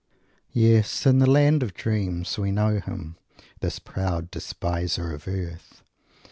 Yes, in the land of dreams we know him, this proud despiser of earth!